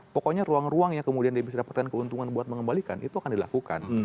pokoknya ruang ruang yang kemudian dia bisa dapatkan keuntungan buat mengembalikan itu akan dilakukan